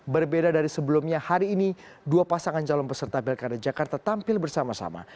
berbeda dari sebelumnya hari ini dua pasangan calon peserta pilkada jakarta tampil bersama sama